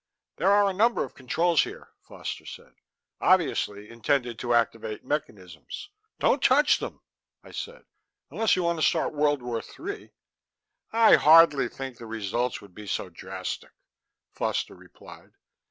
"There are a number of controls here," Foster said, "obviously intended to activate mechanisms " "Don't touch 'em," I said. "Unless you want to start World War III." "I hardly think the results would be so drastic," Foster replied.